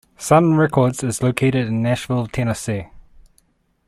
Sun Records is located in Nashville, Tennessee.